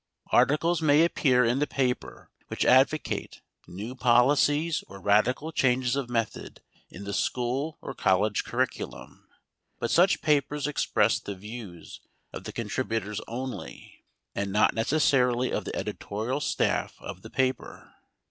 Articles may appear in the paper which advocate new policies or radical changes of method in the school or college curriculum; but such papers express the views of the contributors only, and not necessarily of the editorial staff of the paper.